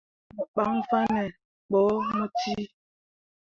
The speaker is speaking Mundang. Mo ɓan fanne ɓo mo cii.